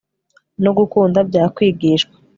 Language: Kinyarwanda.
no gukunda byakwigishwa